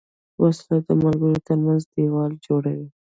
وسله د ملګرو تر منځ دیوال جوړوي